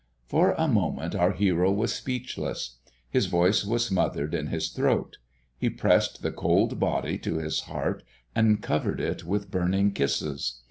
For a moment our hero was speechless. His voice was smothered in his throat. He pressed the cold body to his heart and covered it with burning kisses.